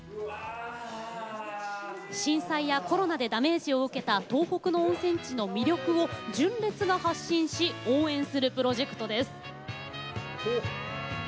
震災やコロナでダメージを受けた東北の温泉地の魅力を純烈が発信し応援するプロジェクトです。